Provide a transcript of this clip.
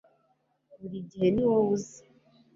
burigihe niwowe uza